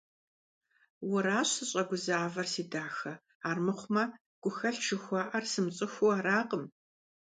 Уэращ сыщӀэгузавэр, си дахэ, армыхъумэ гухэлъ жыхуаӀэр сымыцӀыхуу аракъым.